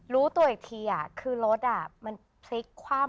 รู้ตัวอีกทีคือรถมันพลิกคว่ำ